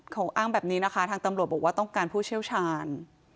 เขาอ้างแบบนี้นะคะทางตำรวจบอกว่าต้องการผู้เชี่ยวชาญ